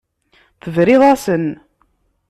Tebriḍ-asen.